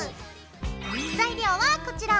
材料はこちら！